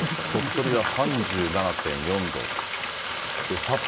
鳥取は３７．４度。